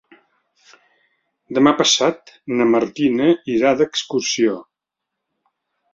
Demà passat na Martina irà d'excursió.